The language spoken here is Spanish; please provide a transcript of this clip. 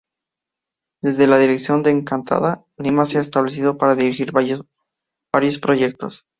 Desde la dirección de "Encantada", Lima se ha establecido para dirigir varios proyectos.